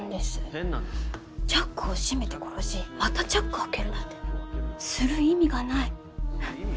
・変なんです・チャックを閉めて殺しまたチャックを開けるなんてする意味がない。